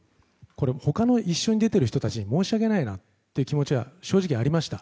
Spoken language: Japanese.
他の一緒に出ている人たちに申し訳ないなって気持ちは、正直ありました。